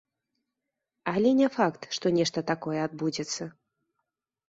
Але не факт, што нешта такое адбудзецца.